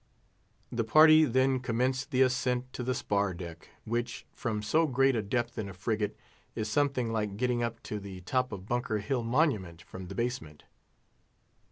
The party then commenced the ascent to the spar deck; which, from so great a depth in a frigate, is something like getting up to the top of Bunker Hill Monument from the basement.